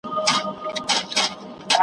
په عام محضر کي .